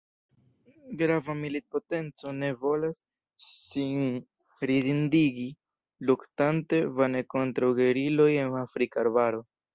Grava militpotenco ne volas sin ridindigi, luktante vane kontraŭ geriloj en afrika arbaro.